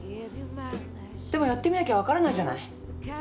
でもやってみなきゃ分からないじゃない。